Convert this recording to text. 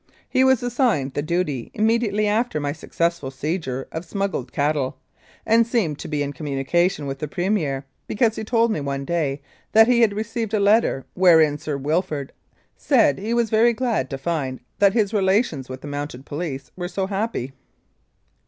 He was assigned the duty imme diately after my successful seizure of smuggled cattle, and seemed to be in communication with the Premier, because he told me one day that he had received a letter wherein Sir Wilfrid said he was very glad to find that his relations with the Mounted Police were so happy.